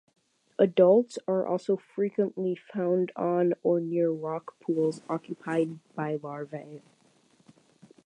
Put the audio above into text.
Adults are also frequently found on or near rock pools occupied by larvae.